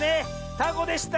タコでした！